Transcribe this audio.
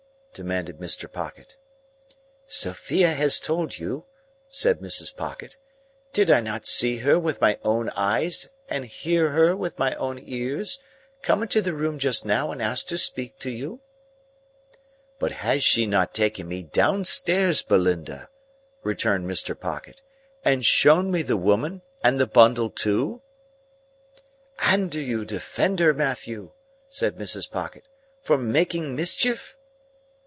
demanded Mr. Pocket. "Sophia has told you," said Mrs. Pocket. "Did I not see her with my own eyes and hear her with my own ears, come into the room just now and ask to speak to you?" "But has she not taken me downstairs, Belinda," returned Mr. Pocket, "and shown me the woman, and the bundle too?" "And do you defend her, Matthew," said Mrs. Pocket, "for making mischief?"